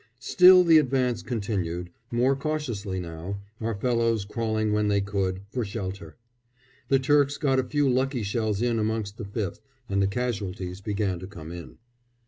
Still the advance continued, more cautiously now, our fellows crawling when they could, for shelter. The Turks got a few lucky shells in amongst the 5th, and the casualties began to come in.